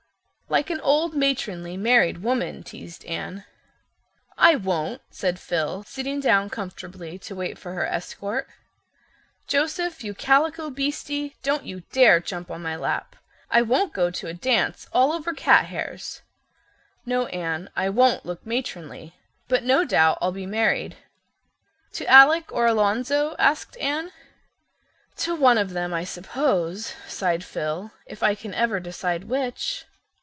"Like an old, matronly, married woman," teased Anne. "I won't," said Phil, sitting down comfortably to wait for her escort. "Joseph, you calico beastie, don't you dare jump on my lap. I won't go to a dance all over cat hairs. No, Anne, I won't look matronly. But no doubt I'll be married." "To Alec or Alonzo?" asked Anne. "To one of them, I suppose," sighed Phil, "if I can ever decide which."